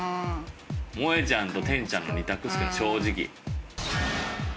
萌衣ちゃんと天ちゃんの２択です正直。